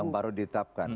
yang baru ditapkan